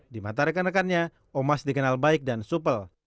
di mata rekan rekannya omas dikenal baik dan supel